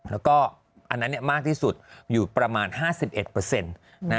แล้วก็อันนั้นมากที่สุดอยู่ประมาณ๕๑เปอร์เซ็นต์